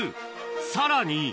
さらに。